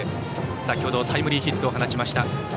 先程はタイムリーヒットを放ちました。